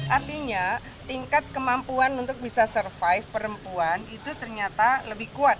artinya tingkat kemampuan untuk bisa survive perempuan itu ternyata lebih kuat